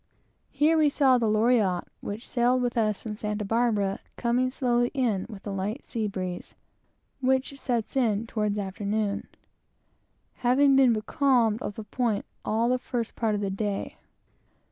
Here we saw the Loriotte, which sailed with us from Santa Barbara, coming slowly in with a light sea breeze, which sets in towards afternoon, having been becalmed off the point all the first part of the day.